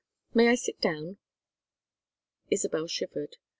May I sit down?" Isabel shivered.